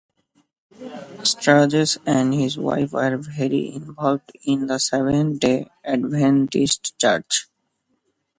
Sturges and his wife were very involved in the Seventh Day Adventist Church.